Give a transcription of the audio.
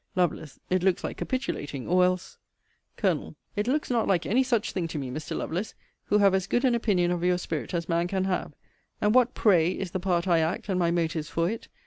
Lovel. It looks like capitulating, or else Col. It looks not like any such thing to me, Mr. Lovelace, who have as good an opinion of your spirit as man can have. And what, pray, is the part I act, and my motives for it?